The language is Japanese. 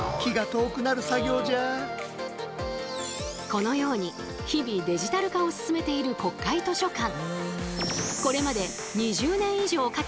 このように日々デジタル化を進めている国会図書館。